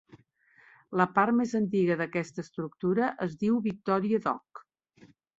La part més antiga d'aquesta estructura es diu Victoria Dock.